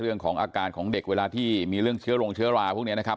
เรื่องของอาการของเด็กเวลาที่มีเรื่องเชื้อโรงเชื้อราพวกนี้นะครับ